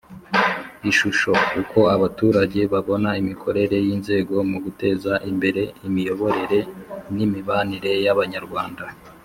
Ishusho Uko abaturage babona imikorere y inzego mu guteza imbere imiyoborere n imibanire y abanyarwanda